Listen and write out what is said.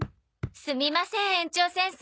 すみません園長先生。